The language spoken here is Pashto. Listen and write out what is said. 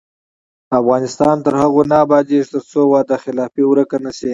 افغانستان تر هغو نه ابادیږي، ترڅو وعده خلافي ورکه نشي.